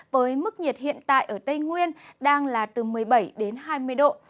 với mức nhiệt hiện tại ở tây nguyên đang là từ một mươi bảy đến hai mươi độ